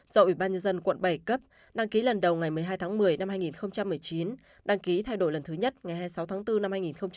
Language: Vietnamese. do ủy ban nhân dân quận bảy cấp đăng ký lần đầu ngày một mươi hai tháng một mươi năm hai nghìn một mươi chín đăng ký thay đổi lần thứ nhất ngày hai mươi sáu tháng bốn năm hai nghìn hai mươi